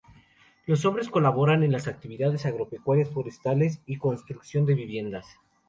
Los hombres colaboran en las actividades agropecuarias, forestales y construcción de viviendas.